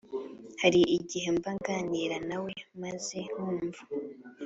Hari igihe mba nganira na we maze nkumva